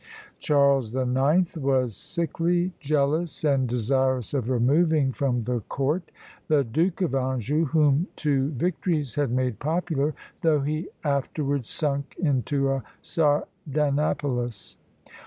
Charles the Ninth was sickly, jealous, and desirous of removing from the court the Duke of Anjou, whom two victories had made popular, though he afterwards sunk into a Sardanapalus.